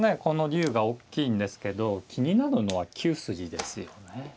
この竜がおっきいんですけど気になるのは９筋ですよね。